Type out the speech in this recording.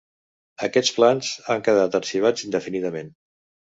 Aquests plans han quedat arxivats indefinidament.